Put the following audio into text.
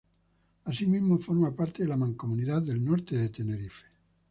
Asimismo, forma parte de la Mancomunidad del Norte de Tenerife.